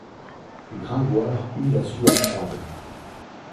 Gringoire eut la sueur froide.